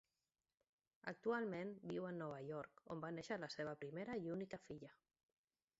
Actualment viu en Nova York on va néixer la seva primera i única filla.